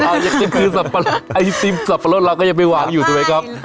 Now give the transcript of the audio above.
อยากจะซื้อสับปะรดไอ้ซีมสับปะรดเราก็ยังไปหวานอยู่ด้วยครับ